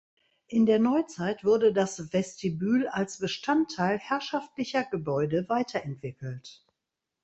In der Neuzeit wurde das Vestibül als Bestandteil herrschaftlicher Gebäude weiterentwickelt.